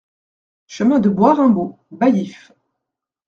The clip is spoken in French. Chemin de Bois Raimbault, Baillif